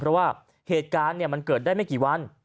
เพราะว่าเหตุการณ์มันเกิดได้ไม่กี่วัน